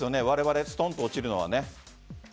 われわれストンと落ちるのは。